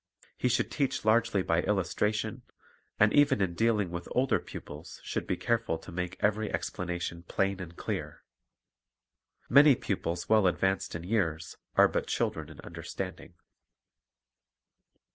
He should teach largely by illus tration, and even in dealing with older pupils should be careful to make every explanation plain and clear. Many pupils well advanced in years are but children in understanding.